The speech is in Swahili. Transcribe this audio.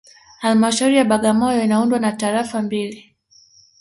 Halmashauri ya Bagamoyo inaundwa na tarafa mbili